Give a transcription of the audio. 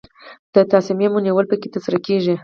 د تصامیمو نیول پکې ترسره کیږي.